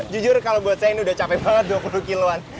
jujur kalau buat saya ini sudah capek banget dua puluh kilo an